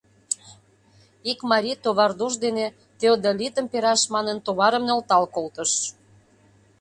Ик марий, товардош дене теодолитым пераш манын, товарым нӧлтал колтыш.